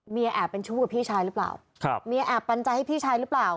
แอบเป็นชู้กับพี่ชายหรือเปล่าครับเมียแอบปัญญาให้พี่ชายหรือเปล่า